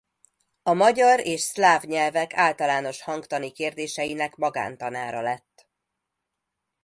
A magyar és szláv nyelvek általános hangtani kérdéseinek magántanára lett.